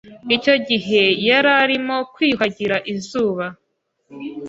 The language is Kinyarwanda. Icyo gihe yari arimo kwiyuhagira izuba.